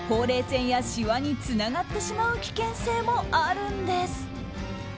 線やシワにつながってしまう危険性もあるんです。